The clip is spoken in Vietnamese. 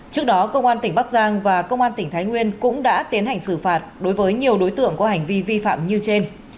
trước đó công an tỉnh bắc giang và công an tỉnh thái nguyên cũng đã tiến hành xử phạt đối với nhiều đối tượng có hành vi vi phạm như trên